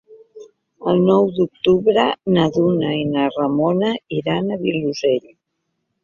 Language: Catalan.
El nou d'octubre na Duna i na Ramona iran al Vilosell.